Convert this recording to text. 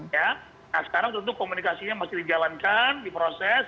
nah sekarang tentu komunikasinya masih dijalankan diproses